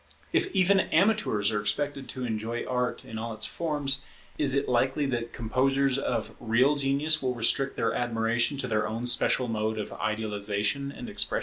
If even amateurs are expected to enjoy Art in all its forms, is it likely that composers of real genius will restrict their admiration to their own special mode of idealization and expression?